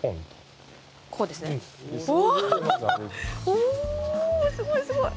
お、すごいすごい。